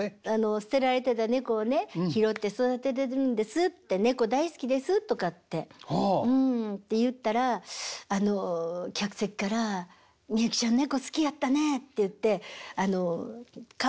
「捨てられてた猫をね拾って育ててるんです」って「猫大好きです」とかって言ったらあの客席から「美幸ちゃん猫好きやったね」って言ってあの籠の鳥鳥の籠籠鳥が入る籠。